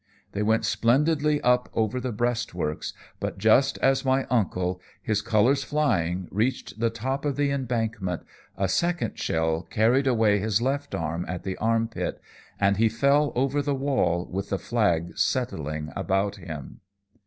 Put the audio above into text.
They went splendidly up over the breastworks, but just as my uncle, his colors flying, reached the top of the embankment, a second shell carried away his left arm at the arm pit, and he fell over the wall with the flag settling about him.